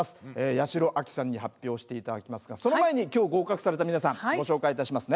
八代亜紀さんに発表して頂きますがその前に今日合格された皆さんご紹介いたしますね。